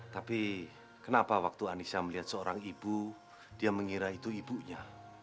tapi kenapa waktu anissa melihat seorang ibu dia mengira itu ibunya